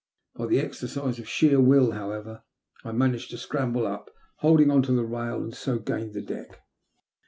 By the exercise of sheer will, however, I managed to scramble up, holding on to the rail, and so gained the deck.